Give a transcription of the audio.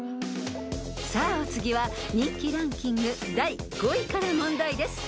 ［さあお次は人気ランキング第５位から問題です］